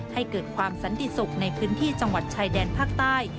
ให้เกิดความสันติสุขในพื้นที่จังหวัดชายแดนภาคใต้